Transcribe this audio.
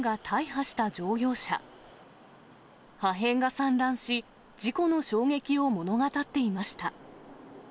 破片が散乱し、事故の衝撃を物語っていました。